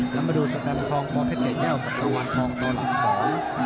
แล้วมาดูแชมป์ทองปเผ็ดไก่แก้วกับตัวหวานทองตัวหลักสอง